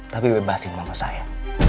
tapi bebasin mama saya